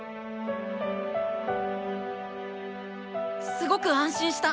すごく安心した！